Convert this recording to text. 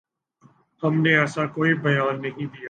ہم نے ایسا کوئی بیان نہیں دیا